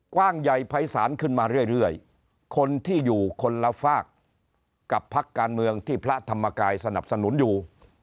กว้างใหญ่ภัยศาลขึ้นมาเรื่อยคนที่อยู่คนละฝากกับพักการเมืองที่พระธรรมกายสนับสนุนอยู่